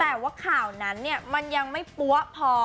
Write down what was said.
แต่ว่าข่าวนั้นมันยังไม่ปั๊วพอ